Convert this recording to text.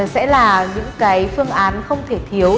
sẽ là những phương án không thể thiếu